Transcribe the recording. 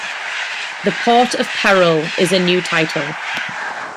"The Port of Peril" is a new title.